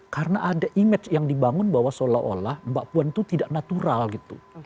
karena ada image yang dibangun bahwa seolah olah mbak puan itu tidak natural gitu